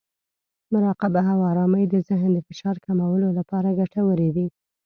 مراقبه او ارامۍ د ذهن د فشار کمولو لپاره ګټورې دي.